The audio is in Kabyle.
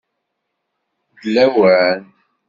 D lawan!